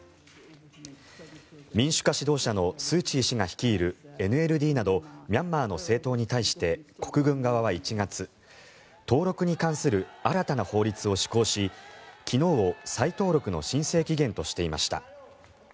民主化指導者のスーチー氏が率いるＮＬＤなどミャンマーの政党に対して国軍側は１月登録に関する新たな法律を施行し昨日を再登録の申請期限としていました。